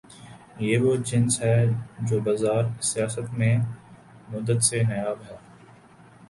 یہ وہ جنس ہے جو بازار سیاست میں مدت سے نایاب ہے۔